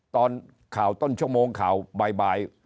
ตอนข่าวต้นชั่วโมงข่าวบ่าย